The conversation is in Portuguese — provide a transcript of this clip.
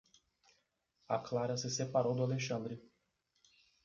A Clara se separou do Alexandre.